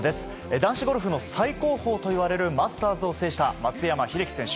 男子ゴルフの最高峰といわれるマスターズを制した松山英樹選手。